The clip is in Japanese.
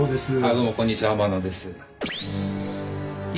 どうもこんにちは天野です。